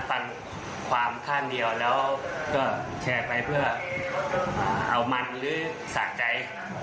ฟันความข้างเดียวแล้วก็แชร์ไปเพื่อเอามันหรือสะใจ